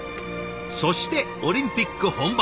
そしてオリンピック本番。